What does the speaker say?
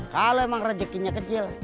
kalo emang rejekinya kecil